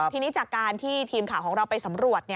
ทีนี้จากการที่ทีมข่าวของเราไปสำรวจ